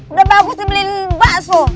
udah bagus dibeliin bakso